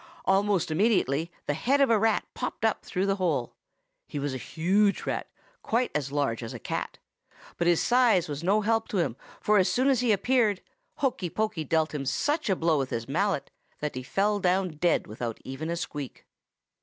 Almost immediately the head of a rat popped up through the hole. He was a huge rat, quite as large as a cat; but his size was no help to him, for as soon as he appeared, Hokey Pokey dealt him such a blow with his mallet that he fell down dead without even a squeak.